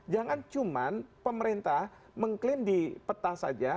jangan cuma pemerintah mengklaim di peta saja dan melakukan protes di peta saja